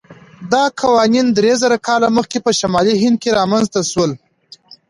دا قوانین درېزره کاله مخکې په شمالي هند کې رامنځته شول.